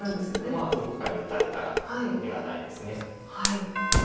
まあどこかに打たれたら眼がないです。